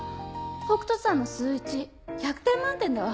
北斗さんの数１００点満点だわ。